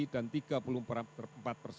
dan tiga puluh empat persen adalah laki laki